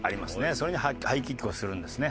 それにハイキックをするんですね。